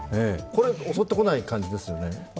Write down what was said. これ、襲ってこない感じですよね。